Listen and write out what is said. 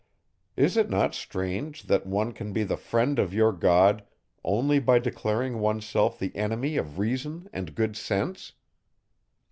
Is it not strange, that one can be the friend of your God, only by declaring one's self the enemy of reason and good sense?